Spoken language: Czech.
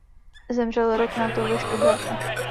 Zemřel rok nato ve Stuttgartu.